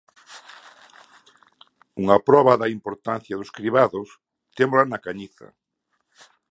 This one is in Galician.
Unha proba da importancia dos cribados témola na Cañiza.